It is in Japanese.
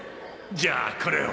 じゃあこれを。